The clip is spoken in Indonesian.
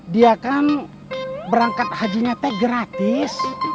dia kan berangkat hajinya teh gratis